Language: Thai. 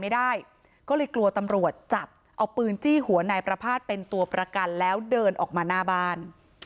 โดยเดินเป็นตัวประกัน